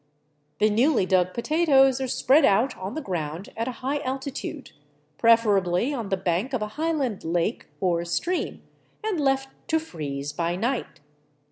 The newly dug potatoes are spread out on the ground at a high altitude, preferably on the bank of a highland lake or stream, and left to freeze by night.